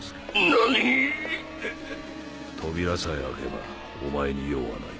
何⁉扉さえ開けばお前に用はない。